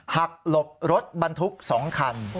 หลบรถบรรทุก๒คัน